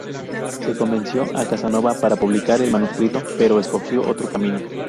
Se convenció a Casanova para publicar el manuscrito, pero escogió otro camino.